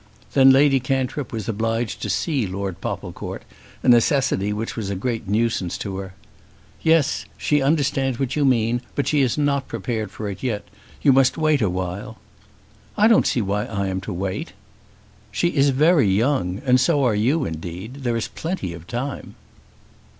Then Lady Cantrip was obliged to see Lord Popplecourt, a necessity which was a great nuisance to her. "Yes; she understands what you mean. But she is not prepared for it yet. You must wait awhile." "I don't see why I am to wait." "She is very young, and so are you, indeed. There is plenty of time."